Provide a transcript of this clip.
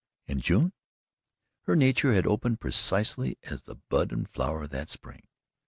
And June? Her nature had opened precisely as had bud and flower that spring.